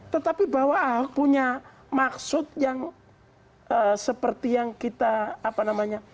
tetapi bahwa ahok punya maksud yang seperti yang kita apa namanya